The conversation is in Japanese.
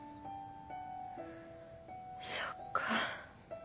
そっか。